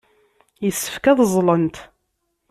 Yessefk ad ẓẓlent.